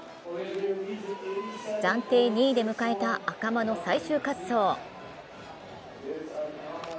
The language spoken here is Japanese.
暫定２位で迎えた赤間の最終滑走。